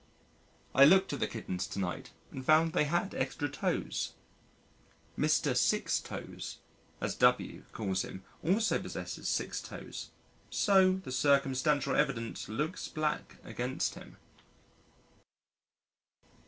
I looked at the kittens to night and found they had extra toes. "Mr. Sixtoes," as W calls him also possesses six toes, so the circumstantial evidence looks black against him.